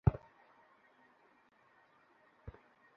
প্রয়োজনীয় আসবাব পত্রেরও অভাব ছিল না।